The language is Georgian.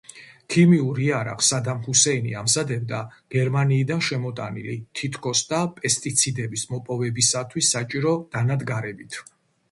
ქიმიურ იარაღს სადამ ჰუსეინი ამზადებდა გერმანიიდან შემოტანილი, თითქოს და პესტიციდების მოპოვებისათვის საჭირო დანადგარებით.